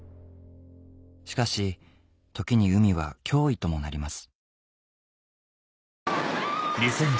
しかし時に海は脅威ともなります